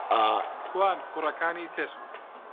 کوان کوڕەکانی تر؟